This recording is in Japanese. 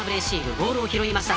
ボールを拾いました。